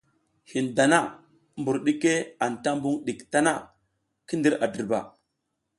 Hin dana mbur ɗike anta mbuƞ ɗik tana, ki ndir a dirba.